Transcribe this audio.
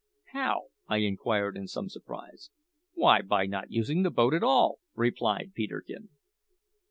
"How?" I inquired in some surprise. "Why, by not using the boat at all!" replied Peterkin.